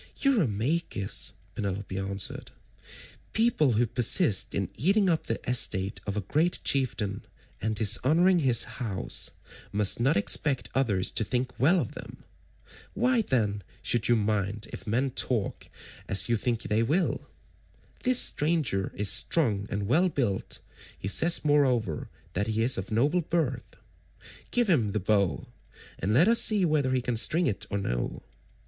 "Eurymachus," Penelope answered, "people who persist in eating up the estate of a great chieftain and dishonouring his house must not expect others to think well of them. Why then should you mind if men talk as you think they will? This stranger is strong and well built, he says moreover that he is of noble birth. Give him the bow, and let us see whether he can string it or no.